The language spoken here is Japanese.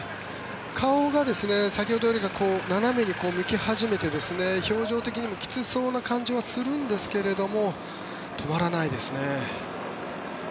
顔が先ほどよりかは斜めに向き始めて表情的にもきつそうな感じはするんですけど止まらないですね。